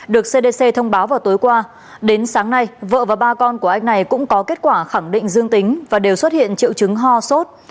được cdc thông báo vào tối qua đến sáng nay vợ và ba con của anh này cũng có kết quả khẳng định dương tính và đều xuất hiện triệu chứng ho sốt